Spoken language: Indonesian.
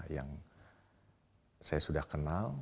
yang saya sudah kenal